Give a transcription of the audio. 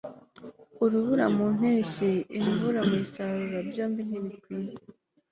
urubura mu mpeshyi, imvura mu isarura, byombi ntibikwiy